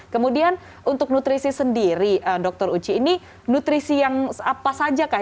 kemudian untuk nutrisi sendiri dokter uci ini nutrisi yang apa saja kah